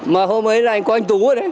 mà hôm ấy là anh quang tú ở đây